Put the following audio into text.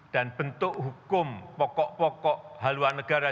dan bentuk hukum pokok pokok haluan negara